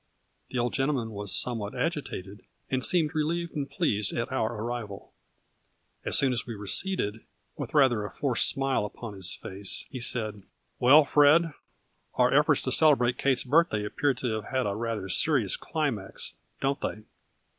The old gentle man was somewhat agitated and seemed re lieved and pleased at our arrival. As soon as we were seated, with rather a forced smile upon his face, he said :" Well, Fred, our efforts to celebrate Kate's birthday appeared to have had a rather serious climax, don't they